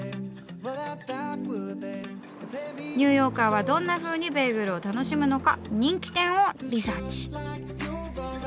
ニューヨーカーはどんなふうにベーグルを楽しむのか人気店をリサーチ。